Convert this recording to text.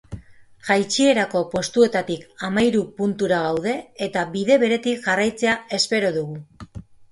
Jaitsierako postuetatik hamahiru puntura gaude eta bide beretik jarraitzea espero dugu.